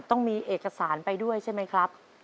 ต้องมีเอกสารไปด้วยใช่ไหมครับ